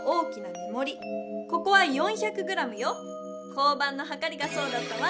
交番のはかりがそうだったわ！